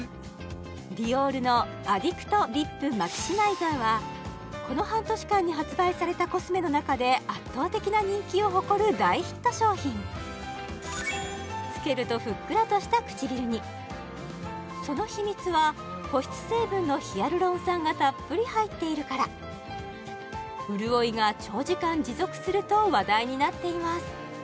ディオールのアディクトリップマキシマイザーはこの半年間に発売されたコスメの中でつけるとふっくらとした唇にその秘密は保湿成分のヒアルロン酸がたっぷり入っているから潤いが長時間持続すると話題になっています